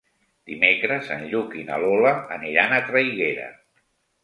Dimecres en Lluc i na Lola aniran a Traiguera.